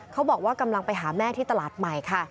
เขาบอกว่ากำลังไปหาแม่ที่ตลาดใหม่ค่ะ